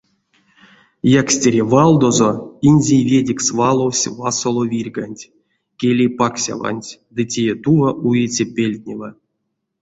Якстере валдозо инзей ведекс валовсь васоло вирьганть, келей паксяванть ды тия-тува уиця пельтнева.